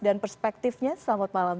dan perspektifnya selamat malam